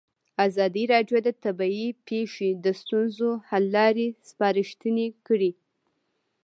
ازادي راډیو د طبیعي پېښې د ستونزو حل لارې سپارښتنې کړي.